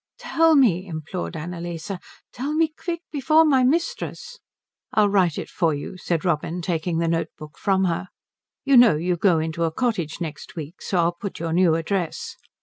"Tell me," implored Annalise, "tell me quick, before my mistress " "I'll write it for you," said Robin, taking the note book from her. "You know you go into a cottage next week, so I'll put your new address."